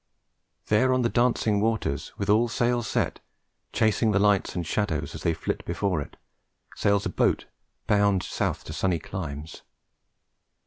There on the dancing waters, with all sails set, chasing the lights and shadows as they flit before it, sails a boat bound south to sunny climes.